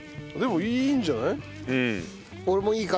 でもいいんじゃない？